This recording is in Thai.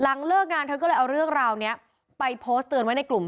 เลิกงานเธอก็เลยเอาเรื่องราวนี้ไปโพสต์เตือนไว้ในกลุ่ม